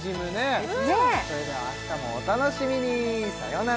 それではあしたもお楽しみにさよなら